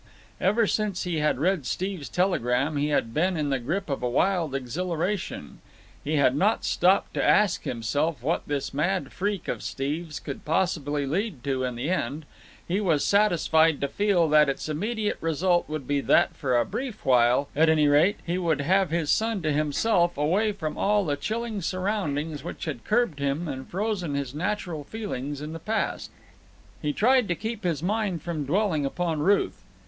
Ever since he had read Steve's telegram he had been in the grip of a wild exhilaration. He had not stopped to ask himself what this mad freak of Steve's could possibly lead to in the end—he was satisfied to feel that its immediate result would be that for a brief while, at any rate, he would have his son to himself, away from all the chilling surroundings which had curbed him and frozen his natural feelings in the past. He tried to keep his mind from dwelling upon Ruth.